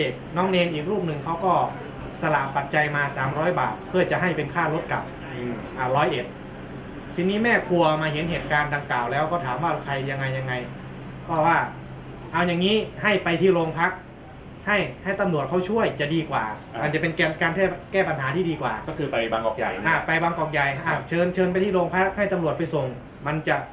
น้องเนรอีกรูปหนึ่งเขาก็สลากปัจจัยมาสามร้อยบาทเพื่อจะให้เป็นค่ารถกับร้อยเอ็ดทีนี้แม่ครัวมาเห็นเหตุการณ์ดังกล่าวแล้วก็ถามว่าใครยังไงยังไงก็ว่าเอาอย่างงี้ให้ไปที่โรงพักให้ให้ตำรวจเขาช่วยจะดีกว่าอาจจะเป็นการแค่แก้ปัญหาที่ดีกว่าก็คือไปบางกอกใหญ่อ่าไปบางกอกใหญ่เชิญเชิญไปที่โรงพักให้ตำรวจไปส่งมันจะ